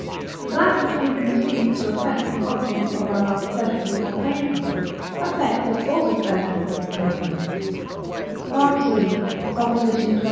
That, which we conceive to affect an object of our love pleasurably or painfully, affects us also pleasurably or painfully (III. xxi.).